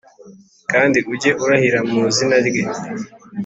kandi ujye urahira mu izina rye.